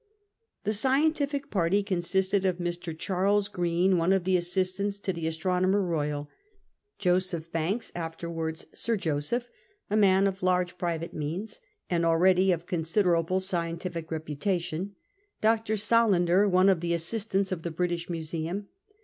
The scientific party consisted of Mr. Charles Green, one of the assistants to the Astronomer Soyal ; Joseph Banks (afterwards Sir Joseph), a man oi^ large private means, and already of considerable scientific reputation ; Dr. Solander, one of the assistants of the British Museum.